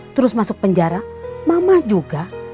terus masuk penjara mama juga